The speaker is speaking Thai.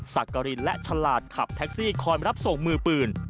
สักกรินและฉลาดขับแท็กซี่คอยรับส่งมือปืน